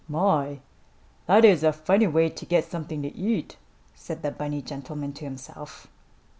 "My! That is a funny way to get something to eat," said the bunny gentleman to himself.